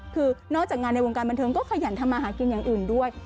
คือนอกจากงานในวงการบันเทิงก็ขยันทำมาหากินอย่างอื่นด้วย